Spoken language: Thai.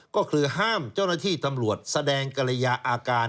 ก็คือห้ามเจ้าหน้าที่ตำรวจแสดงกรยาอาการ